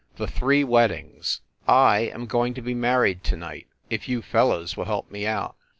THE THREE WEDDINGS I am going to be married to night if you fel lows will help me out.